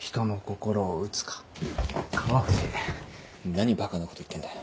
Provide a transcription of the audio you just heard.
何バカなこと言ってんだよ。